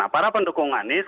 para pendukung anies